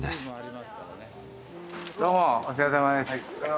どうもお疲れさまです。